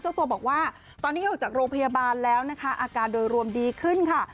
เจ้าตัวบอกว่าตอนนี้ออกจากโรงพยาบาลแล้วนะคะอาการโดยรวมดีขึ้นค่ะ